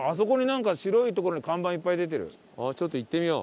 ちょっと行ってみよう。